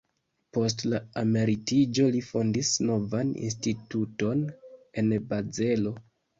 Post la emeritiĝo li fondis novan instituton en Bazelo.